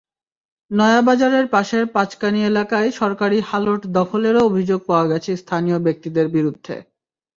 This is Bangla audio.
নয়াবাজারের পাশের পাঁচকানি এলাকায় সরকারি হালট দখলেরও অভিযোগ পাওয়া গেছে স্থানীয় ব্যক্তিদের বিরুদ্ধে।